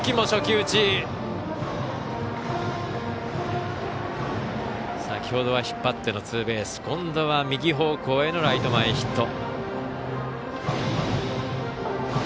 先ほどは引っ張ってのツーベース。今度は右方向へのライト前ヒット。